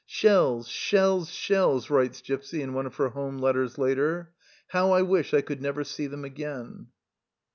" Shells, shells, shells !" writes Gipsy in one of her home letters later. " How I wish I could never see them again